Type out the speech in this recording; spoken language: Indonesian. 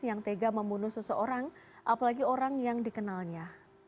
yang tega membunuh seseorang apalagi orang yang dikenalnya